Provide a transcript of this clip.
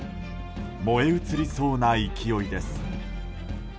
燃え移りそうな勢いです。